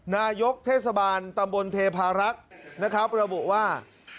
นายกเทศบาลตำบลเทพารักษ์นะครับระบุว่า